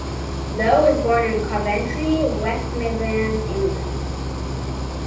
Lowe was born in Coventry, West Midlands, England.